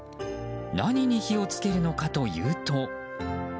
何に火をつけるのかというと。